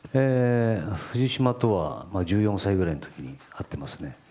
藤島とは１４歳ぐらいの時に会っていますね。